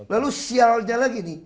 lalu sialnya lagi nih